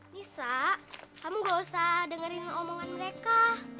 bisa kamu gak usah dengerin omongan mereka